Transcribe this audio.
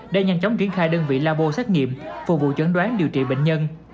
để nhanh chóng kiến khai đơn vị labo xét nghiệm phục vụ chấn đoán điều trị bệnh nhân